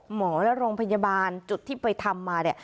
หมอและโรงพยาบาลจุดที่ไปทำมาเนี่ย